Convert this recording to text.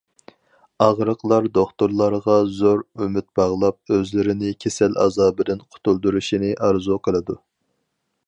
ئاغرىقلار دوختۇرلارغا زور ئۈمىد باغلاپ، ئۆزلىرىنى كېسەل ئازابىدىن قۇتۇلدۇرۇشىنى ئارزۇ قىلىدۇ.